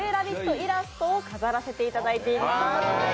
イラストを飾らせていただいています。